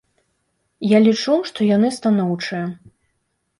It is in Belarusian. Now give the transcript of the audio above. Я лічу, што яны станоўчыя.